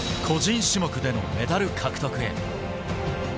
個人種目でのメダル獲得へ。